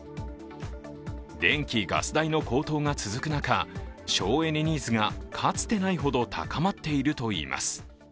電気・ガス代の高騰が続く中、省エネニーズがかつてないほど高まっているといいます。